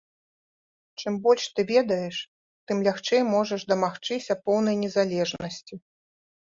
Чым больш ты ведаеш, тым лягчэй можаш дамагчыся поўнай незалежнасці.